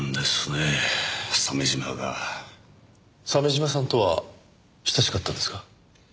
鮫島さんとは親しかったんですか？